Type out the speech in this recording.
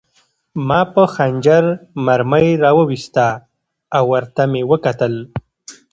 ما په خنجر مرمۍ را وویسته او ورته مې وکتل